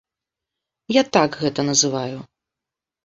Я так гэта называю.